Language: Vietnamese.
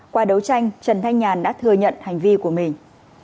qua đấu tranh trần thanh nhàn đã thừa nhận hành vi của mình